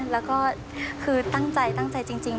แล้วก็คือตั้งใจตั้งใจจริง